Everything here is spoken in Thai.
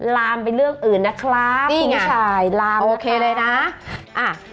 ลามเป็นเรื่องอื่นน่ะครับผู้ชายลามนะครับ